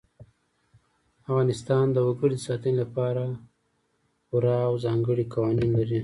افغانستان د وګړي د ساتنې لپاره پوره او ځانګړي قوانین لري.